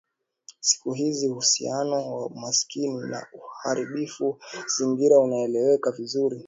Siku hizi uhusiano wa umaskini na uharibifu wa mazingira unaeleweka vizuri